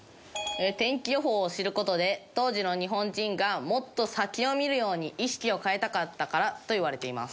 天気予報を知る事で当時の日本人がもっと先を見るように意識を変えたかったからといわれています。